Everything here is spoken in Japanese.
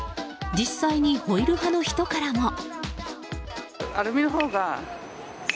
実際にホイル派の人からも。